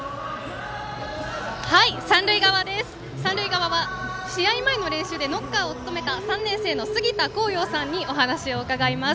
三塁側は試合前の練習でノッカーを務めた３年生のすぎたこうようさんにお話を伺います。